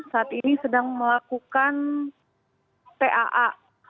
saat ini sedang melakukan taa